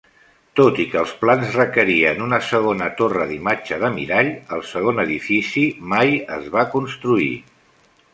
Tot i que els plans requerien una segona torre d'imatge de mirall, el segon edifici mai es va construir.